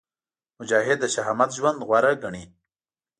مجاهد د شهامت ژوند غوره ګڼي.